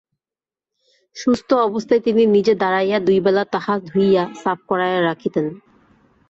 সুস্থ অবস্থায় তিনি নিজে দাঁড়াইয়া দুইবেলা তাহা ধুইয়া সাফ করাইয়া রাখিতেন।